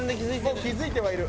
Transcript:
もう気付いてはいる。